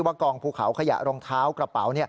กองภูเขาขยะรองเท้ากระเป๋า